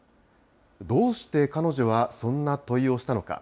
どうして彼女はそんな問いをしたのか。